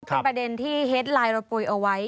เป็นประเด็นที่เฮดไลน์เราปุ๋ยเอาไว้